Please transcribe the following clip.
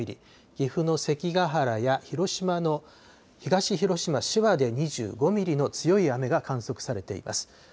岐阜の関ケ原や広島の東広島志和で２５ミリの強い雨が観測されています。